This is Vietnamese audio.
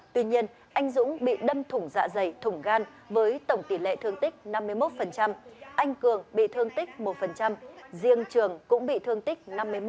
tuy nhiên anh dũng bị đâm thủng dạ dày thủng gan với tổng tỷ lệ thương tích năm mươi một anh cường bị thương tích một riêng trường cũng bị thương tích năm mươi một